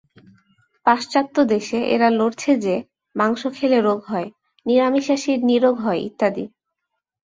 পাশ্চাত্যদেশে এরা লড়ছে যে, মাংস খেলে রোগ হয়, নিরামিষাশী নিরোগ হয় ইত্যাদি।